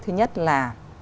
thứ nhất là